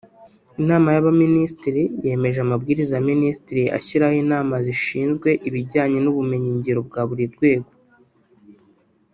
Inama y’Abaminisitiri yemeje Amabwiriza ya Minisitiri ashyiraho Inama zishinzwe ibijyanye n’ubumenyi ngiro bwa buri rwego